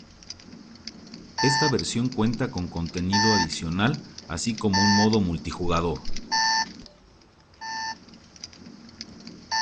Esta versión cuenta con contenido adicional así como un modo multijugador.